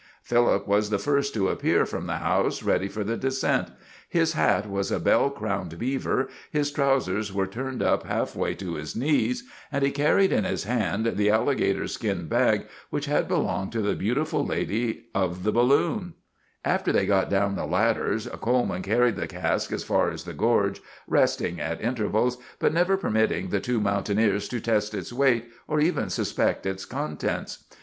Philip was the first to appear from the house ready for the descent. His hat was a bell crowned beaver, his trousers were turned up half way to his knees, and he carried in his hand the alligator skin bag which had belonged to the beautiful lady of the balloon. [Illustration: "THEY LOOKED HARDLY LESS COMICAL THAN BEFORE."] After they got down the ladders, Coleman carried the cask as far as the gorge, resting at intervals, but never permitting the two mountaineers to test its weight or even suspect its contents.